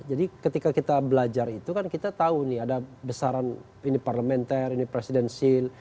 jadi ketika kita belajar itu kan kita tahu nih ada besaran ini parlementer ini presidensil